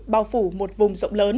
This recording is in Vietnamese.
bao phủ một vùng